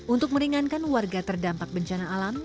untuk meringankan warga terdampak bencana alam